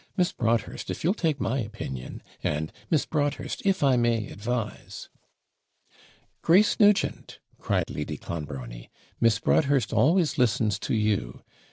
'Miss Broadhurst, if you'll take my opinion;' and 'Miss Broadhurst, if I may advise ' 'Grace Nugent!' cried Lady Clonbrony 'Miss Broadhurst always listens to you.